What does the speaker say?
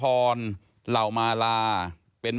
เลขทะเบียนรถจากรยานยนต์